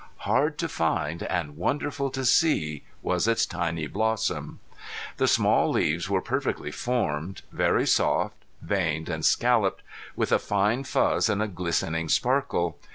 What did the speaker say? Hard to find and wonderful to see was its tiny blossom! The small leaves were perfectly formed, very soft, veined and scalloped, with a fine fuzz and a glistening sparkle.